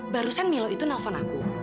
barusan milo itu nelfon aku